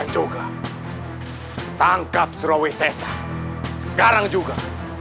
dan juga tangkap trawi sesa sekarang juga